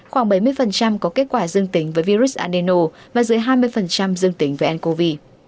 khoảng bảy mươi có kết quả dương tính với virus andeno và dưới hai mươi dương tính với ncov